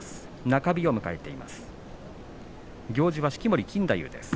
中日を迎えます。